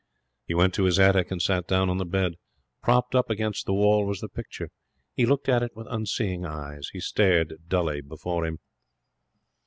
He went to his attic and sat down on the bed. Propped up against the wall was the picture. He looked at it with unseeing eyes. He stared dully before him.